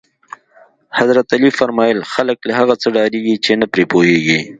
حضرت علی فرمایل: خلک له هغه څه ډارېږي چې نه پرې پوهېږي.